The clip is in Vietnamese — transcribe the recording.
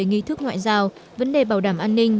nghi thức ngoại giao vấn đề bảo đảm an ninh